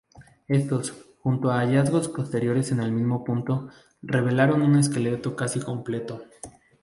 Éstos, junto a hallazgos posteriores en el mismo punto, revelaron un esqueleto casi completo.